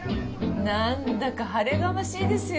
何だか晴れがましいですよ